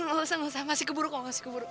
engga gausah gausah masih keburu gausah keburu